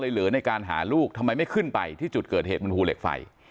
เหลือในการหาลูกทำไมไม่ขึ้นไปที่จุดเกิดเหตุบนภูเหล็กไฟ